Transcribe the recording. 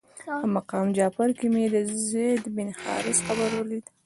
په مقام جعفر کې مې د زید بن حارثه قبر ولید.